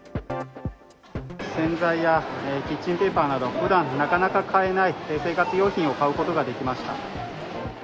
洗剤やキッチンペーパーなど、ふだんなかなか買えない生活用品を買うことができました。